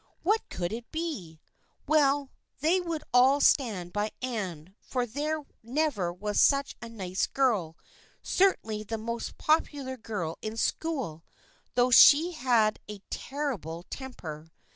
What could it be? Well, they would all stand by Anne, for there never was such a nice girl, certainly the most popular girl in school, though she had a terrible temper.